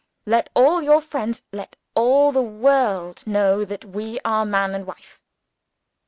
Let all your friends let all the world know that we are man and wife!"